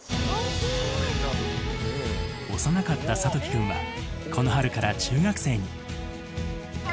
幼かった諭樹君は、この春から中学生に。